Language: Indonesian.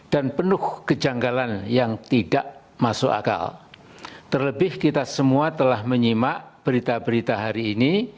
dan penuh kejanggalan yang tidak masuk akal terlebih kita semua telah menyimak berita berita hari ini